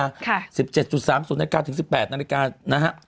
๑๗๓๐นาฬิกาถึง๑๘นาฬิกานะฮะ